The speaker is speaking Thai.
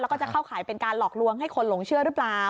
แล้วก็จะเข้าข่ายเป็นการหลอกลวงให้คนหลงเชื่อหรือเปล่า